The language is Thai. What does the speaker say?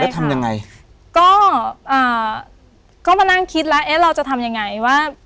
ทำยังไงก็อ่าก็ก็มานั่งคิดแล้วเอ๊ะเราจะทำยังไงว่า